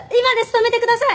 止めてください！